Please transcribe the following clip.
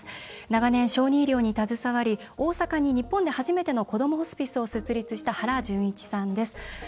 長年、小児医療に携わり大阪に日本で初めてのこどもホスピスを設立した原純一さんです。